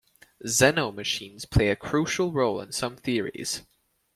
Zeno machines play a crucial role in some theories.